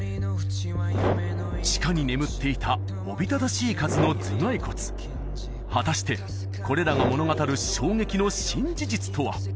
地下に眠っていたおびただしい数の頭蓋骨果たしてこれらが物語る衝撃の新事実とは？